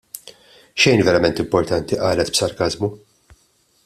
Xejn verament importanti, qalet b'sarkażmu.